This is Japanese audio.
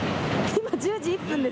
今、１０時１分です。